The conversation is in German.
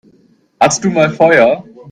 Hast du mal Feuer?